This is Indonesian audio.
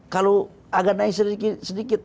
kalau agak naik sedikit